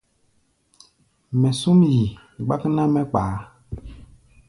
Mɛ súm yi, gbák ná mɛ́ kpaá.